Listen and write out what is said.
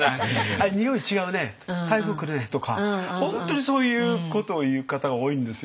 「あれにおい違うね台風来るね」とか本当にそういうことを言う方が多いんですよ。